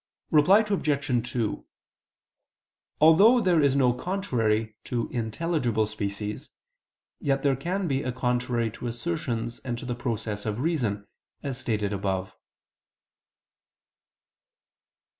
Reply Obj. 2: Although there is no contrary to intelligible species, yet there can be a contrary to assertions and to the process of reason, as stated above.